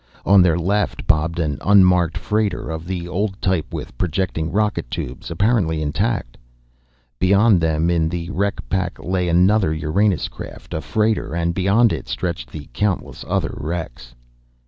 On their left bobbed an unmarked freighter of the old type with projecting rocket tubes, apparently intact. Beyond them in the wreck pack lay another Uranus craft, a freighter, and, beyond it, stretched the countless other wrecks.